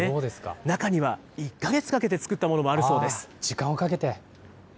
中には１か月かけて作ったものも時間をかけて。